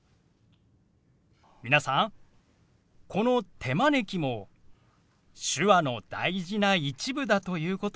皆さんこの「手招き」も手話の大事な一部だということ